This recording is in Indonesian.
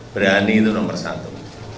berani itu nomor satu